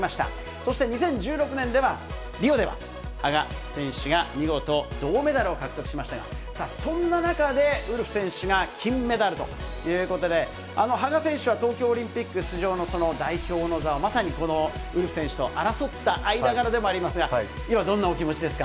そして２０１６年では、リオでは、羽賀選手が見事、銅メダルを獲得しましたが、そんな中で、ウルフ選手が金メダルということで、羽賀選手は東京オリンピック出場の代表の座を、まさにこのウルフ選手と争った間柄でもありますが、今、どんなお気持ちですか。